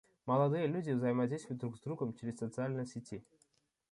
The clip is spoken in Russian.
Молодые люди взаимодействуют друг с другом через социальные сети.